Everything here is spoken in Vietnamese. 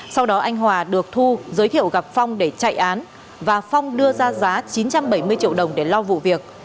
sau đó anh hòa được thu giới thiệu gặp phong để chạy án và phong đưa ra giá chín trăm bảy mươi triệu đồng để lo vụ việc